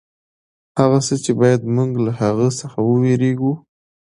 هغه څه چې باید موږ له هغه څخه وېرېږو.